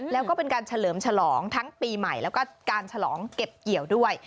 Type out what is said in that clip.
แล้วก็เป็นการเฉลิมฉลองทั้งปีใหม่แล้วก็การฉลองเก็บเกี่ยวด้วย